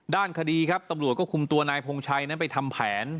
ด้านคดีครับตำรวจก็คุมตัวนายพงชัยนั้นไปทำแผน